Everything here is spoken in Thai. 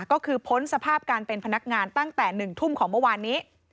ก็คือพ้นสภาพการเป็นพนักงานตั้งแต่๑ทุ่มของเมื่อวานนี้